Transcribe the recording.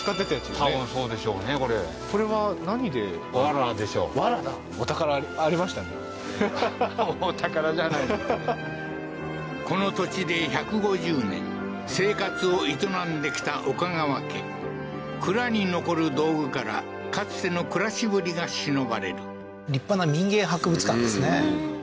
藁だははははっお宝じゃないこの土地で１５０年生活を営んできた岡川家蔵に残る道具からかつての暮らしぶりが偲ばれる立派な民芸博物館ですね